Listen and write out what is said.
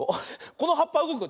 このはっぱうごくよ。